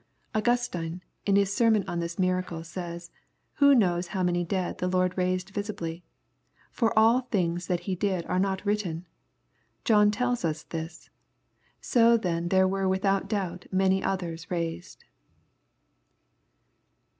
Augustine, in his sermon on ijm miracle, says :" Who knows how many dead the Lord raised visibly ? For all the things that he did are not writ ten. John tells us this. So then there were without doubt many others raised."